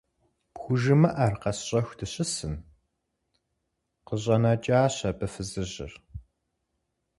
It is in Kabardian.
ПхужымыӀэр къэсщӀэху дыщысын? – къыщӀэнэкӀащ абы фызыжьыр.